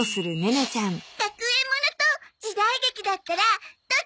学園ものと時代劇だったらどっちがいい？